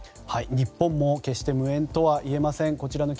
日本も決して無縁とはいえません。